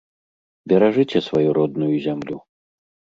Беражыце сваю родную зямлю!